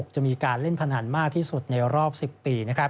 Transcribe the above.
จะมีการเล่นพนันมากที่สุดในรอบ๑๐ปี